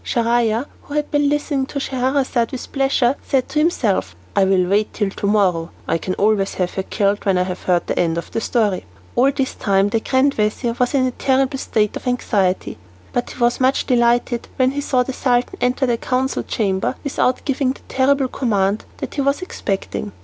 Schahriar, who had been listening to Scheherazade with pleasure, said to himself, "I will wait till to morrow; I can always have her killed when I have heard the end of her story." All this time the grand vizir was in a terrible state of anxiety. But he was much delighted when he saw the Sultan enter the council chamber without giving the terrible command that he was expecting.